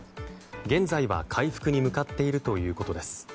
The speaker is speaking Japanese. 現在は回復に向かっているということです。